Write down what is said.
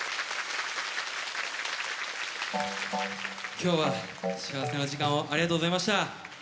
今日は幸せな時間をありがとうございました。